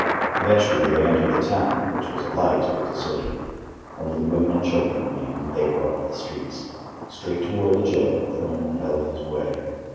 Eventually they entered the town, which was all alight, but deserted; only the women and children remained, and they were off the streets. Straight toward the jail the criminal held his way.